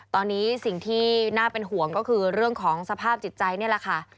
ตอนนี้สิ่งที่น่าเป็นห่วงก็คือเรื่องของสภาพจิตใจนี่แหละค่ะ